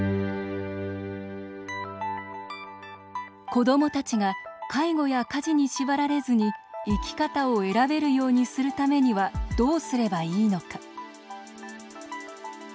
子どもたちが介護や家事に縛られずに生き方を選べるようにするためにはどうすればいいのか。